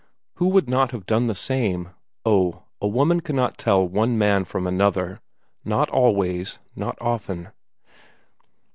Who would not have done the same? Oh, a woman cannot tell one man from another; not always not often.